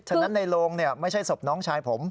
ฉะนั้นในโรงไม่ใช่ศพน้องชายผม